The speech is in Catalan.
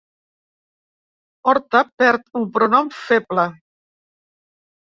Horta perd un pronom feble.